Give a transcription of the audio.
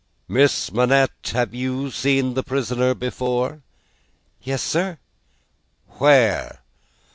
"Miss Manette, have you seen the prisoner before?" "Yes, sir." "Where?"